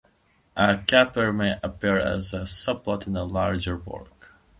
A caper may appear as a subplot in a larger work.